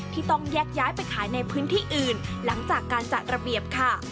ที่ต้องแยกย้ายไปขายในพื้นที่อื่นหลังจากการจัดระเบียบค่ะ